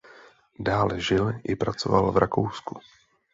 Dále žil i pracoval v Rakousku.